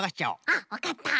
あっわかった。